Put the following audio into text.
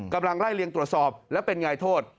กำลังไล่เลียงตรวจสอบแล้วเป็นไงโทษ